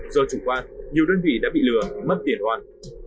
do chủ quan nhiều đơn vị đã bị lừa mất tiền hoàn